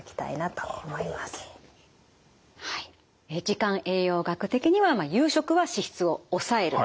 時間栄養学的には夕食は脂質を抑える。